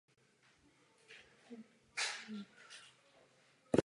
Kdy pivovar zanikl však není známo.